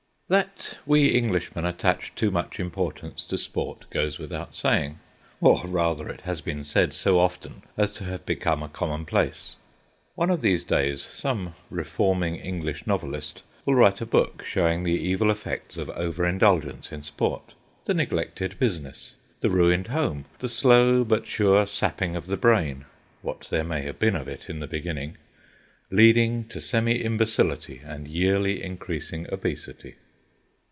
THAT we Englishmen attach too much importance to sport goes without saying—or, rather, it has been said so often as to have become a commonplace. One of these days some reforming English novelist will write a book, showing the evil effects of over indulgence in sport: the neglected business, the ruined home, the slow but sure sapping of the brain—what there may have been of it in the beginning—leading to semi imbecility and yearly increasing obesity.